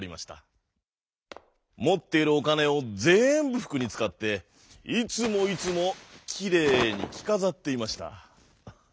もっているおかねをぜんぶふくにつかっていつもいつもきれいにきかざっていました。